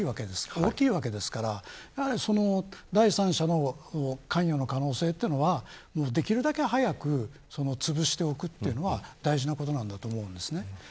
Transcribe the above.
大きいわけですから第三者の関与の可能性というのはできるだけ早く潰しておくというのは大事なことだと思います。